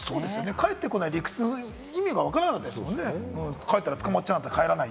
帰ってこない理屈、意味がわからなかったですもんね。